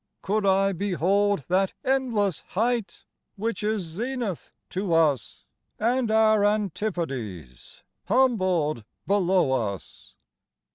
Could I behold that endlesse height which isZenith to us, and our Antipodes, Humbled below us?